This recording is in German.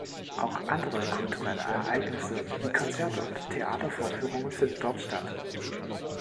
Auch andere kulturelle Ereignisse wie Konzerte und Theatervorführungen finden dort statt.